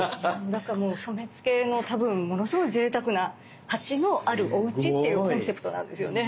なんかもう染付の多分ものすごいぜいたくな鉢のあるおうちっていうコンセプトなんですよね。